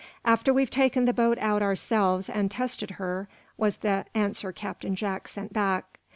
"After we've taken the boat out ourselves, and tested her," was the answer Captain Jack sent back.